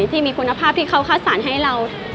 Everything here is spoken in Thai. ที่มีคุณภาพที่เขาคัดสรรให้เรา